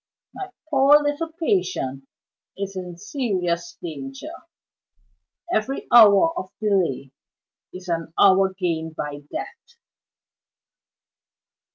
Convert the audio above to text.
My poor little patient is in serious danger every hour of delay is an hour gained by death.